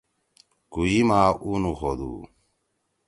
کُوئی ما اُو نُخودُو۔